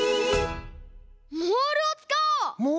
モールをつかおう！